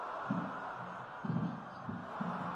Tonight They Pay.